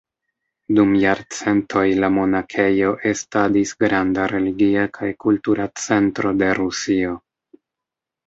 Dum jarcentoj la monakejo estadis granda religia kaj kultura centro de Rusio.